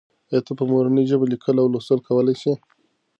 آیا ته په مورنۍ ژبه لیکل او لوستل کولای سې؟